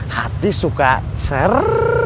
hati suka serrrrr